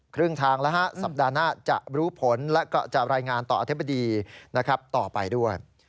ครึ่งทางแล้วฮะสัปดาห์หน้าจะรู้ผลและก็จะรายงานต่ออธิบดีต่อไปด้วย